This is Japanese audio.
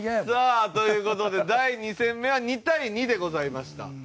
さあという事で第２戦目は２対２でございました。